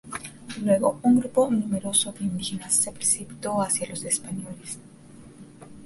Luego un grupo numeroso de indígenas se precipitó hacia los españoles.